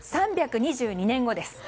３２２年後です。